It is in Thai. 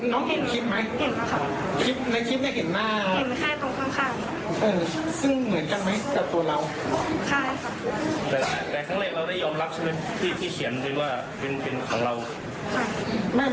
ตอนแรกครูถามแล้วน้องก็ปฏิเสธ